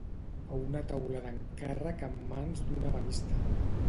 O una taula d'encàrrec en mans d'un ebenista.